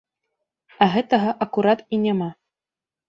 А гэтага акурат і няма.